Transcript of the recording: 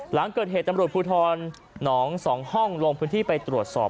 หลังเกิดเหตุตำรวจภูทรหนอง๒ห้องลงพื้นที่ไปตรวจสอบ